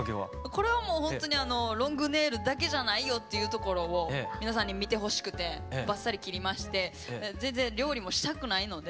これはもうほんとにロングネイルだけじゃないよというところを皆さんに見てほしくてバッサリ切りまして全然料理もしたくないので。